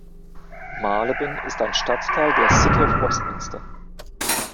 Marylebone ist ein Stadtteil der City of Westminster.